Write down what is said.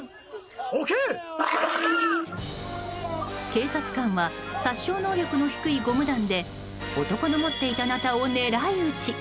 警察官は殺傷能力の低いゴム弾で男の持っていたナタを狙い撃ち。